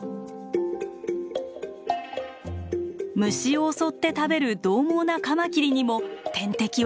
虫を襲って食べるどう猛なカマキリにも天敵はいっぱい。